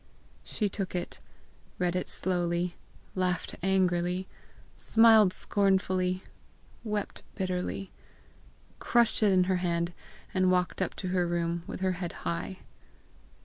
She took it, read it slowly, laughed angrily, smiled scornfully, wept bitterly, crushed it in her hand, and walked up to her room with her head high.